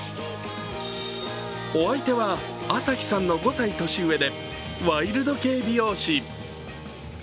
お相手は朝日さんの５歳年上でワイルド系美容師。